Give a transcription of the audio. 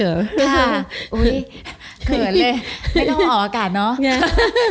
อุ๊ยเขินเลยไม่ต้องออกอากาศเนอะ